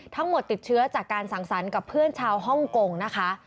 ทั้งหมดติดเชื้อจากการสั่งสรรค์กับเพื่อนชาวฮ่องกงนะคะ